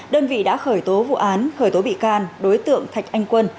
đơn vị đã khởi tố vụ án khởi tố bị can đối tượng thạch anh quân